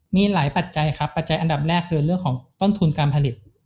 มีหลายปัจจัยครับปัจจัยอันดับแรกคือเรื่องของต้นทุนการผลิต